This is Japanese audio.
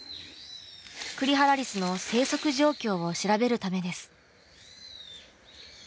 クリハラリスの生息状況を調べるためです。